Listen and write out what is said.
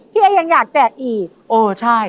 พี่เอยังอยากแจดอีก